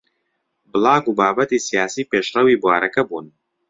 بڵاگ و بابەتی سیاسی پێشڕەوی بوارەکە بوون